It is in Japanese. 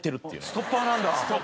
ストッパーなんだ。